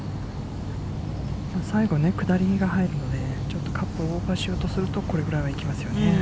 最後ね、下りが入るので、ちょっとカップを動かそうとすると、これぐらいはいきますよね。